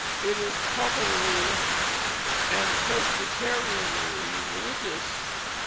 It is properly and Presbyterianly religious.